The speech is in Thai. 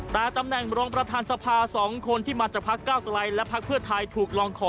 แต่ตำแหน่งรองประธานสภา๒คนที่มาจากพักเก้าไกลและพักเพื่อไทยถูกลองขอ